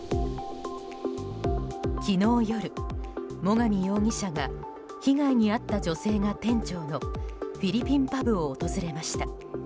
昨日夜、最上容疑者が被害に遭った女性が店長のフィリピンパブを訪れました。